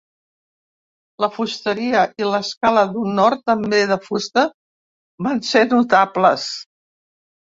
La fusteria i l'escala d'honor també de fusta van ser notables.